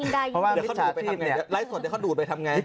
ไลน์ส่วนดูดด้วยยิ่งได้แล้วเขาดูดไปทำยังไง